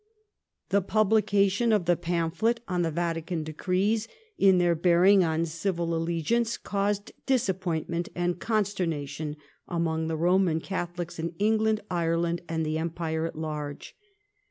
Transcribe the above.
The publication of the pamphlet on the Vatican Decrees in their bearing on civil allegiance caused disappointment and con sternation among the Roman Catholics in Eng land, Ireland, and the Empire at large.